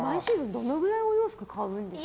どのぐらいお洋服買いますか？